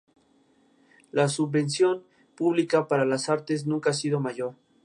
Por ejemplo: Justin Bieber, Miley Cyrus, y Selena Gomez.